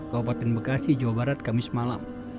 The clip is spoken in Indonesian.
kabupaten bekasi jawa barat kamis malam